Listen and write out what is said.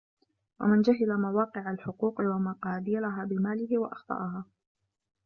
وَمَنْ جَهِلَ مَوَاقِعَ الْحُقُوقِ وَمَقَادِيرَهَا بِمَالِهِ وَأَخْطَأَهَا